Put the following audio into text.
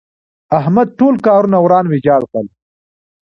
احمد ټول کارونه وران ويجاړ کړل.